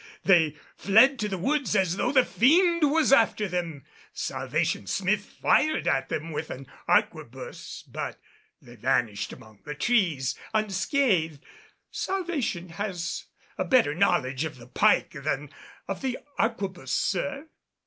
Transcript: They fled to the woods as though the fiend was after them. Salvation Smith fired at them with an arquebus, but they vanished among the trees unscathed. Salvation has a better knowledge of the pike than of the arquebus, sir."